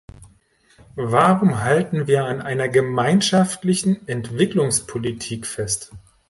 Warum halten wir an einer gemeinschaftlichen Entwicklungspolitik fest?